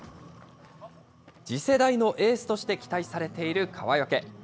次世代のエースとして期待されている川除。